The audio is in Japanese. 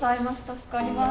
助かります。